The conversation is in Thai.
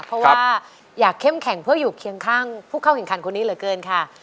เพราะว่าอยากเข้มแข็งเพื่ออยู่เคียงข้างผู้เข้าแข่งขันคนนี้เหลือเกินค่ะ